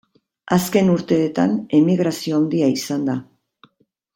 Azken urteetan emigrazio handia izan da.